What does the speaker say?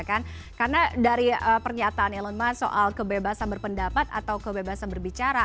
karena dari pernyataan elon musk soal kebebasan berpendapat atau kebebasan berbicara